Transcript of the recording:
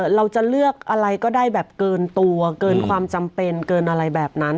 เราจะเลือกอะไรก็ได้แบบเกินตัวเกินความจำเป็นเกินอะไรแบบนั้น